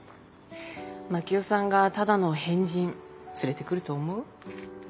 真樹夫さんがただの変人連れてくると思う？